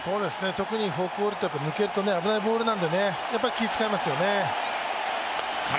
特にフォークボールというのは抜けると危ないボールなのでやっぱり気を使いますよね。